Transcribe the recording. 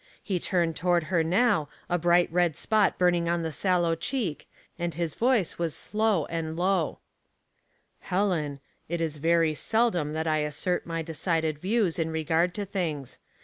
He turned toward her now, a bright red spot burning on the sallow cheek, and his voice was slow and low :" Helen, it is very seldom that I assert my decided views in regard to things.